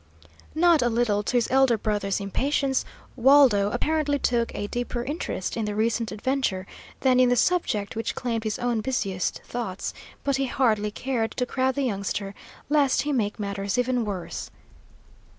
Not a little to his elder brother's impatience, Waldo apparently took a deeper interest in the recent adventure than in the subject which claimed his own busiest thoughts, but he hardly cared to crowd the youngster, lest he make matters even worse.